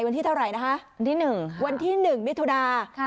วันที่เท่าไรนะคะวันที่หนึ่งค่ะวันที่หนึ่งมิถุดาค่ะ